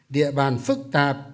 địa bàn phức tạp